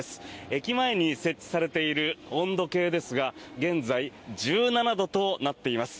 駅前に設置されている温度計ですが現在、１７度となっています。